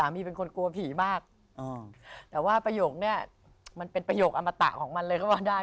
พี่ต้องทำยังไง